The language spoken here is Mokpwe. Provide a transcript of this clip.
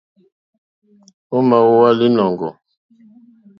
Ò ma wowa linɔ̀ŋgɔ̀?